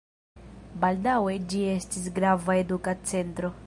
Baldaŭe ĝi estis grava eduka centro.